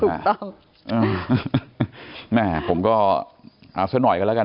ถูกต้องแม่ผมก็เอาซะหน่อยกันแล้วกัน